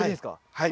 はい。